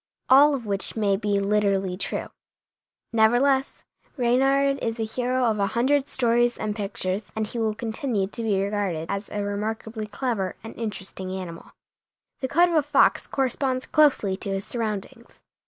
All of which may be literally true, nevertheless Reynard is the hero of a hundred stories and pictures and he will continue to be regarded as a remarkably clever and interesting animal. The coat of the fox corresponds closely to his surroundings.